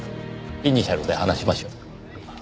イニシャルで話しましょう。